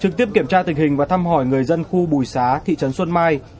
trực tiếp kiểm tra tình hình và thăm hỏi người dân khu bùi xá thị trấn xuân mai